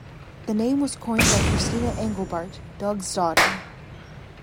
The name was coined by Christina Engelbart, Doug's daughter.